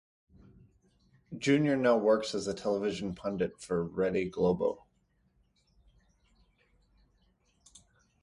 Junior now works as a television pundit for Rede Globo.